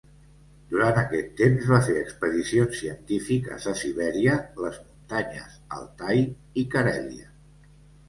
Durant aquest temps va fer expedicions científiques a Sibèria, les Muntanyes Altai i Carèlia.